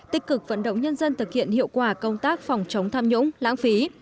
tích cực vận động nhân dân thực hiện hiệu quả công tác phòng chống tham nhũng lãng phí